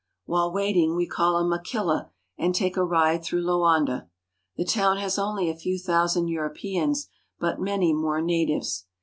While waiting, we call a machilla and take a ride through Loanda. The town has only a few thousand Europeans, but many more natives.